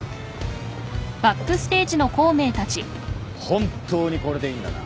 本当にこれでいいんだな？